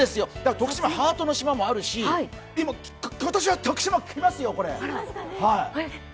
徳島ハートの島もあるし今年は徳島、きますよ！